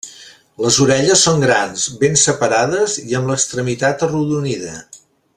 Les orelles són grans, ben separades i amb l'extremitat arrodonida.